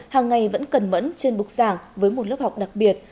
hàng ngày vẫn cần mẫn trên bục giảng với một lớp học đặc biệt